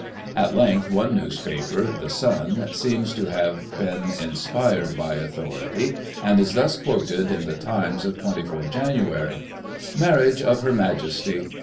At length, one newspaper, the Sun, seems to have been inspired, by authority, and is thus quoted in the Times of 24 Jan. —"* MARRIAGE OF Her Majesty.